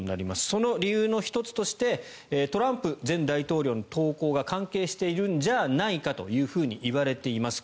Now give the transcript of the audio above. その理由の１つとしてトランプ前大統領の投稿が関係しているんじゃないかといわれています。